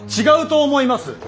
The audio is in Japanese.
違うと思います。